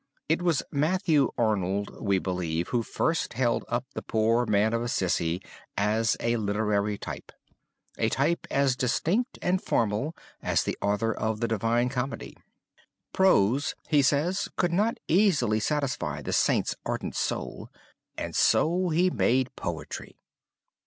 It was Matthew Arnold, we believe, who first held up the poor man of Assisi as a literary type a type as distinct and formal as the author of the Divine Comedy. 'Prose,' he says, 'could not easily satisfy the saint's ardent soul, and so he made poetry.'